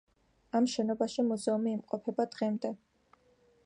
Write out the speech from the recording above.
ამ შენობაში მუზეუმი იმყოფება დღემდე.